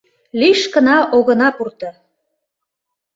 Лишкына огына пурто!